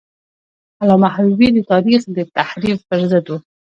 علامه حبیبي د تاریخ د تحریف پر ضد و.